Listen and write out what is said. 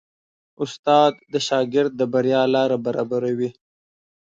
استاد د شاګرد د بریا لاره برابروي.